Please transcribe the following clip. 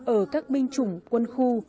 ở các binh chủng quân khu